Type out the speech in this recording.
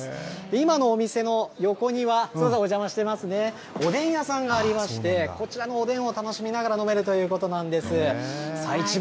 今のお店の横には、すみません、お邪魔していますね、おでん屋さんがありまして、こちらのおでんを楽しみながら飲めるということなんです。